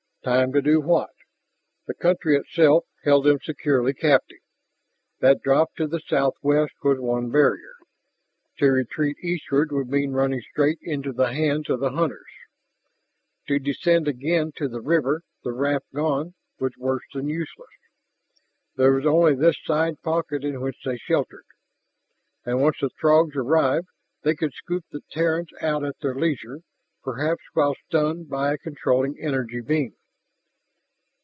Time to do what? The country itself held them securely captive. That drop to the southwest was one barrier. To retreat eastward would mean running straight into the hands of the hunters. To descend again to the river, their raft gone, was worse than useless. There was only this side pocket in which they sheltered. And once the Throgs arrived, they could scoop the Terrans out at their leisure, perhaps while stunned by a controlling energy beam.